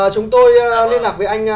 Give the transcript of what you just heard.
chúng tôi liên lạc với anh